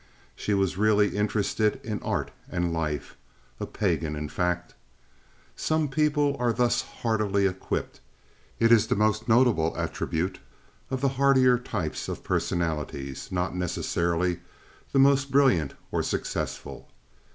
She was really interested in art and life—a pagan, in fact. Some people are thus hardily equipped. It is the most notable attribute of the hardier type of personalities—not necessarily the most brilliant or successful.